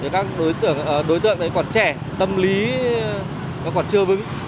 các đối tượng còn trẻ tâm lý còn chưa vững